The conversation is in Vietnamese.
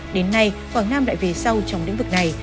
đến nay quảng nam lại về sau trong lĩnh vực này